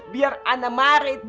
biar anak marit